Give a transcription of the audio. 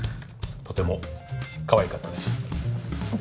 とてもかわいかったです。